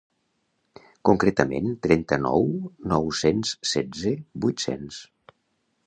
Concretament trenta-nou.nou-cents setze.vuit-cents.